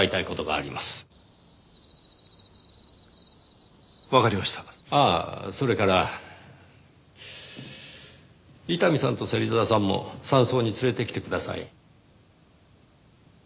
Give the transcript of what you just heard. ああそれから伊丹さんと芹沢さんも山荘に連れてきてください。